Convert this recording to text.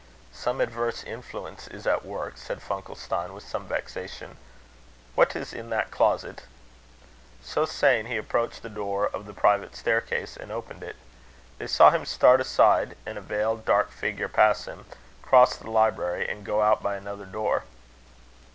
"Some adverse influence is at work," said Funkelstein, with some vexation. "What is in that closet?" So saying he approached the door of the private staircase, and opened it. They saw him start aside, and a veiled dark figure pass him, cross the library, and go out by another door.